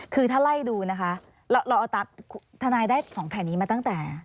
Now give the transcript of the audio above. คือถ้าไล่ดูนะคะทนายได้สองแผ่นนี้มาตั้งแต่